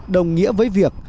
đồng nghĩa với việc